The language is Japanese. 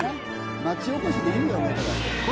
町おこしでいいよねこれ。